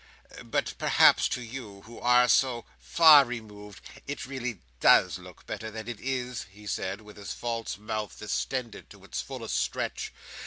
"But perhaps to you, who are so far removed, it really does look better than it is," he said, with his false mouth distended to its fullest stretch.